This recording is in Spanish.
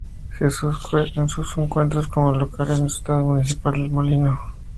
Juega sus encuentros como local en el Estadio Municipal El Molino.